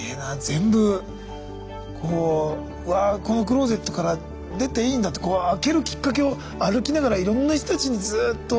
全部こうわあこのクローゼットから出ていいんだって開けるきっかけを歩きながらいろんな人たちにずっと。